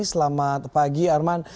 selamat pagi arman